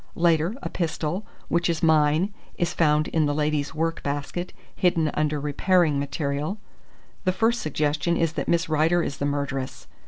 Later, a pistol, which is mine, is found in the lady's work basket, hidden under repairing material. The first suggestion is that Miss Rider is the murderess.